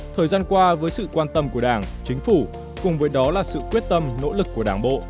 thời gian qua với sự quan tâm của đảng chính phủ cùng với đó là sự quyết tâm nỗ lực của đảng bộ